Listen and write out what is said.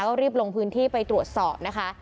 ก็รีบลงพื้นที่ไปตรวจสอบนะคะ